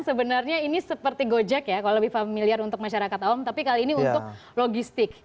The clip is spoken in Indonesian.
sebenarnya ini seperti gojek ya kalau lebih familiar untuk masyarakat awam tapi kali ini untuk logistik